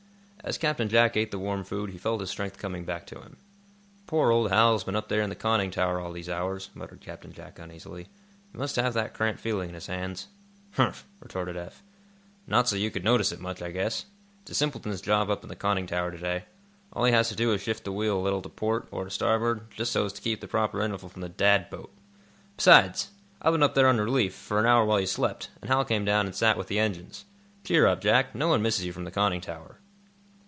As Captain Jack ate the warm food he felt his strength coming back to him. "Poor old Hal has been up there in the conning tower all these hours," muttered Captain Jack, uneasily. "He must have that cramped feeling in his hands." "Humph!" retorted Eph. "Not so you could notice it much, I guess. It's a simpleton's job up in the conning tower to day. All he has to do is to shift the wheel a little to port, or to starboard, just so as to keep the proper interval from the 'Dad' boat. Besides, I've been up there on relief, for an hour while you slept, and Hal came down and sat with the engines. Cheer up, Jack. No one misses you from the conning tower."